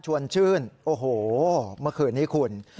ชวนชื่นโอ้โหเมื่อคืนนี้คุณ